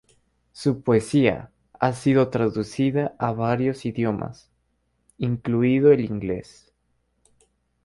Su poesia ha sido traducida a varios idiomas, incluido el ingles.